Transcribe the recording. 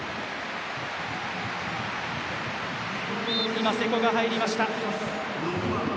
今、瀬古が入りました。